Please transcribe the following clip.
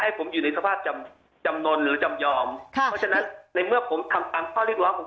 ผมอยู่ในสภาพจำจำนวนหรือจำยอมค่ะเพราะฉะนั้นในเมื่อผมทำตามข้อเรียกร้องผม